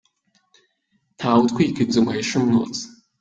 Nta we utwika inzu ngo ahishe umwotsi….